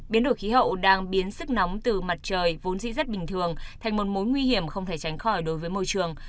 biến đổi khí hậu đang biến sức nóng từ mặt trời vốn dĩ rất bình thường thành một mối nguy hiểm không thể tránh khỏi đối với môi trường